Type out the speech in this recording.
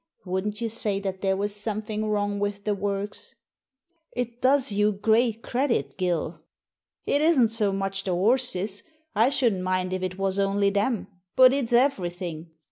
Wouldn't you say that there was something wrong with the works ?"" It does you great credit, Gill." "It isn't so much the horses, I shouldn't mind if it was only them, but it's everything.